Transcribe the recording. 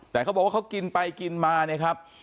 แต่เขาบอกว่าเขากินไปกินมา